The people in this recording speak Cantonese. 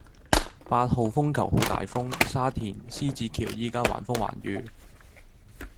八號風球好大風，沙田獅子橋依家橫風橫雨